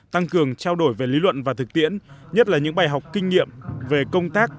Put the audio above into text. tăng cường trao đổi về lý luận và thực tiễn nhất là những bài học kinh nghiệm về công tác